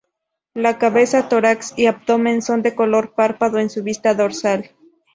La cabeza, tórax y abdomen son de color pardo en su vista dorsal.